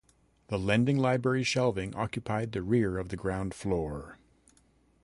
The lending library shelving occupied the rear of the ground floor.